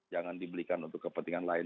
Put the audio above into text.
jangan dibelikan untuk kepentingan lain